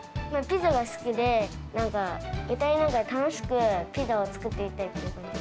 ピザが好きで、歌いながら楽しくピザを作っていたい。